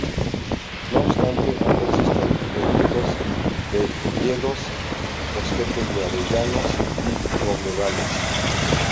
No obstante, aún existen reductos de hayedos, bosquetes de avellanos y robledales.